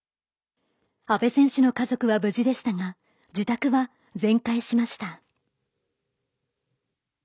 阿部選手の家族は無事でしたが自宅は全壊しました。